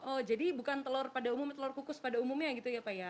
oh jadi bukan telur pada umumnya telur kukus pada umumnya gitu ya pak ya